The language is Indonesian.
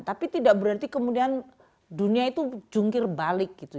tapi tidak berarti kemudian dunia itu jungkir balik gitu